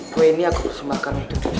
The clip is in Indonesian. kue ini aku harus sembahkan untuk sayang